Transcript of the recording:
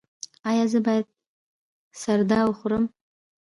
ایا زه باید سردا وخورم؟